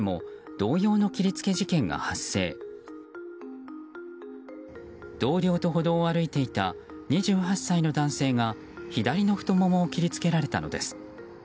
同僚と歩道を歩いていた２８歳の男性が左の太ももを切り付けられたのです。